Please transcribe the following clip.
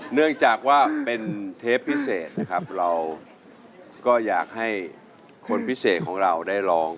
เนื่องจากว่าเป็นเทปพิเศษนะครับเราก็อยากให้คนพิเศษของเราได้ร้อง